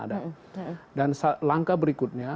dan langkah berikutnya